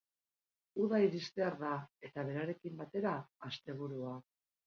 Uda iristear da, eta berarekin batera, asteburua.